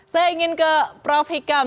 saya ingin ke prof hikam